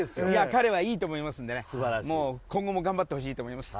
彼はいいと思いますので今後も頑張ってほしいと思います。